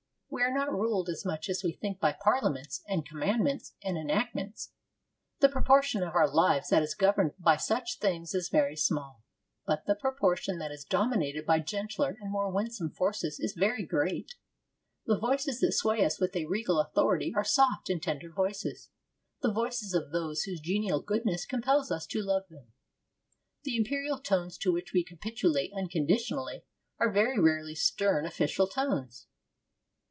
We are not ruled as much as we think by parliaments and commandments and enactments. The proportion of our lives that is governed by such things is very small. But the proportion that is dominated by gentler and more winsome forces is very great. The voices that sway us with a regal authority are soft and tender voices, the voices of those whose genial goodness compels us to love them. The imperial tones to which we capitulate unconditionally are very rarely stern official tones.